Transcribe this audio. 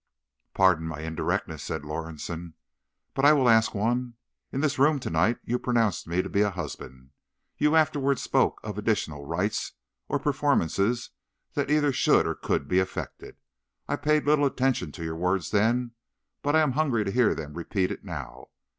"Pardon my indirectness," said Lorison; "I will ask one. In this room to night you pronounced me to be a husband. You afterward spoke of additional rites or performances that either should or could be effected. I paid little attention to your words then, but I am hungry to hear them repeated now.